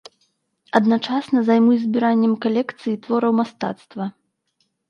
Адначасна займаўся збіраннем калекцыі твораў мастацтва.